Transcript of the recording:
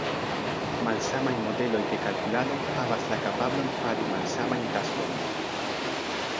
Malsamaj modeloj de kalkulado havas la kapablon fari malsamajn taskojn.